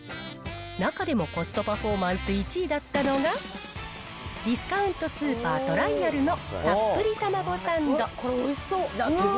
中でもコストパフォーマンス１位だったのが、ディスカウントスーパー、トライアルのたっぷり玉子サンド。